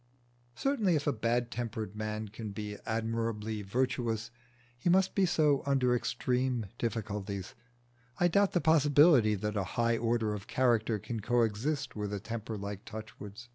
Certainly if a bad tempered man can be admirably virtuous, he must be so under extreme difficulties. I doubt the possibility that a high order of character can coexist with a temper like Touchwood's.